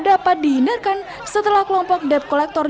dapat dihindarkan setelah kelompok dep kolektor